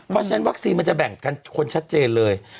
เพราะฉะนั้นวัคซีนมันจะแบ่งกันคนชัดเจนเลย